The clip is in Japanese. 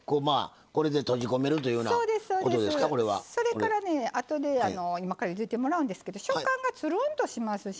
それからねあとで今からゆでてもらうんですけど食感がつるんとしますし。